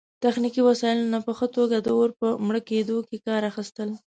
تخنیکي وسایلو نه په ښه توګه د اور په مړه کیدو کې کار اخیستل